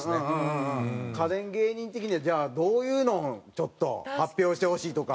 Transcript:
家電芸人的にはじゃあどういうのをちょっと発表してほしいとか。